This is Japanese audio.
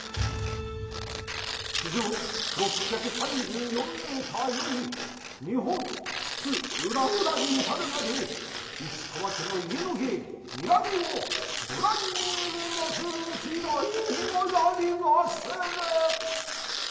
地上６３４メーターより、日本津々浦々に至るまで、市川家の家の芸、にらみをご覧に入れまする次第にござりまする。